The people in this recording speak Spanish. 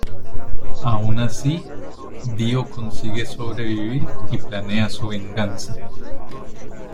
Aun así Dio consigue sobrevivir y planea su venganza.